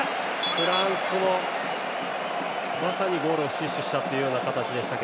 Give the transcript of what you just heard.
フランスもまさにゴールを死守した形ですが。